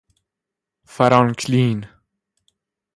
فرانکلین